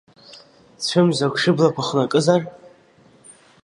Цәымзак шәыблақәа хнакызар?